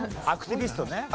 アクティビストね。